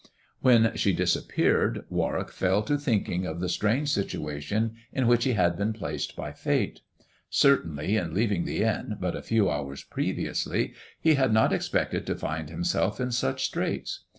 When she disappeared, Warwick fell to thinking of the strange situation in which he had been placed by Fate. Certainly, in leaving the inn but a few hours previously, he liad not expected to find himself in such straits.